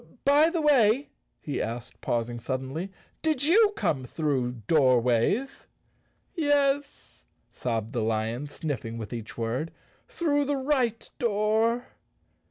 "By the way," he asked, pausing suddenly, "did you come through Doorways?" "Yes!" sobbed the lion, sniffing with each word, "through the right door."